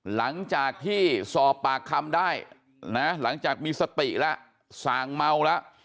หลังจากที่สอบปากคำได้นะหลังจากมีสติแล้วส่างเมาแล้ว